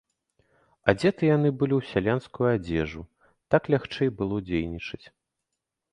Адзеты яны былі ў сялянскую адзежу, так лягчэй было дзейнічаць.